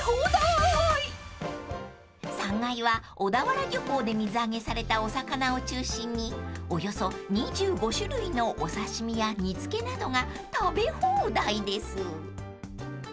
［３階は小田原漁港で水揚げされたお魚を中心におよそ２５種類のお刺身や煮付けなどが食べ放題です］